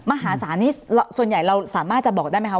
มหาศาลนี้ส่วนใหญ่เราสามารถจะบอกได้ไหมคะ